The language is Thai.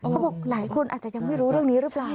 เขาบอกหลายคนอาจจะยังไม่รู้เรื่องนี้หรือเปล่า